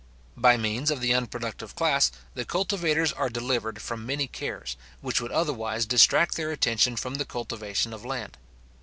By means of the unproductive class, the cultivators are delivered from many cares, which would otherwise distract their attention from the cultivation of land.